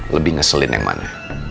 lebih ngeselin yang mana